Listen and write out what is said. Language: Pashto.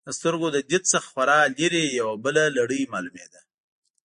د سترګو له دید څخه خورا لرې، یوه بله لړۍ معلومېده.